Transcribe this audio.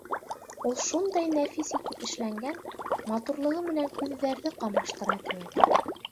Ул шундай нәфис итеп эшләнгән, матурлығы менән күҙҙәрҙе ҡамаштыра кеүек.